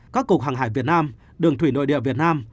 các cục hàng hải việt nam đường thủy nội địa việt nam